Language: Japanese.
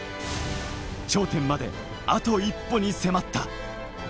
頂点まであと一歩に迫った。